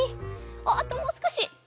あともうすこし！